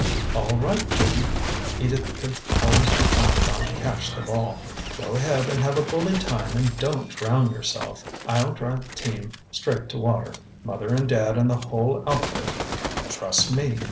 "All right, Jim" Edith could always be counted on to catch the ball "go ahead and have a bully time and don't drown yourself. I'll drive the team straight to water, mother and dad and the whole outfit, trust me!"